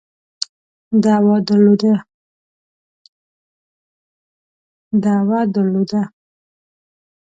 دعوه درلوده.